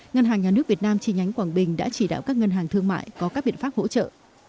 ngân hàng nhà nước việt nam chi nhánh quảng bình đã chỉ đạo các ngân hàng thương mại có các biện pháp hỗ trợ